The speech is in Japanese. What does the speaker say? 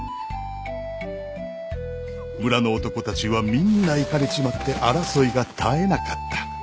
村の男たちはみんないかれちまって争いが絶えなかった。